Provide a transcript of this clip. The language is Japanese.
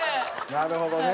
なるほどね。